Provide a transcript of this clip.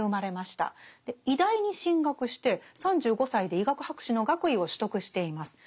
医大に進学して３５歳で医学博士の学位を取得しています。